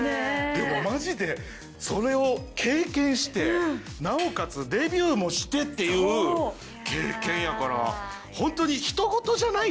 でもマジでそれを経験してなおかつデビューもしてっていう経験やからホントに人ごとじゃないよね。